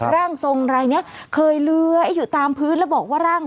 ร่างทรงรายนี้เคยเลื้อยอยู่ตามพื้นแล้วบอกว่าร่าง